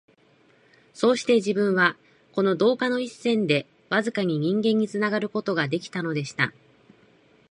そうして自分は、この道化の一線でわずかに人間につながる事が出来たのでした